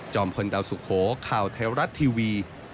พลดาวสุโขข่าวเทวรัฐทีวี